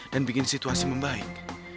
dan bikin situasi membaik